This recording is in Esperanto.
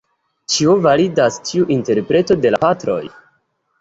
Ĉu validas tiu interpreto de la Patroj?